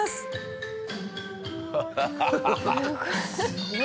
すごい。